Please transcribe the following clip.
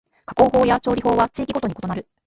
加工法や調理法は地域ごとに異なる